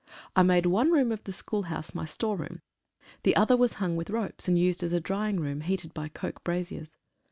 I made one room of the school house my storeroom, the other was hung with ropes, and used as a drying room, heated by coke braziers.